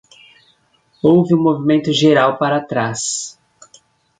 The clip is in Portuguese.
Houve um movimento geral para trás.